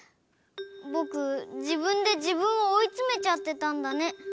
ぼくじぶんでじぶんをおいつめちゃってたんだね。